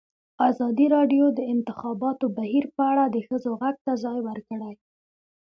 ازادي راډیو د د انتخاباتو بهیر په اړه د ښځو غږ ته ځای ورکړی.